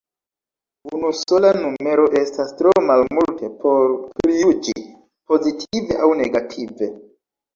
Unusola numero estas tro malmulte por prijuĝi, pozitive aŭ negative.